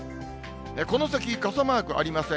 この先、傘マークありません。